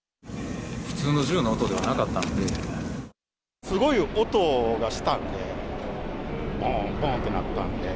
普通の銃の音ではなかったんすごい音がしたんで、どんどんって鳴ったんで。